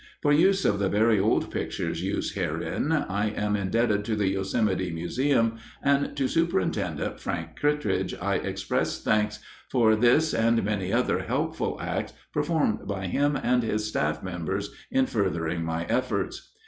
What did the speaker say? For use of the very old pictures used herein, I am indebted to the Yosemite Museum, and to Superintendent Frank Kittredge I express thanks for this and many other helpful acts performed by him and his staff members in furthering my efforts.